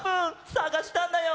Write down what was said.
さがしたんだよ。